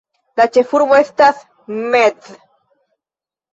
La ĉefurbo estas Metz.